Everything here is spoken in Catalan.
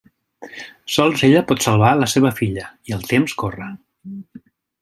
Sols ella pot salvar la seva filla, i el temps corre.